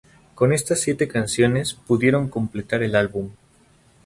Con estas siete canciones pudieron completar el álbum.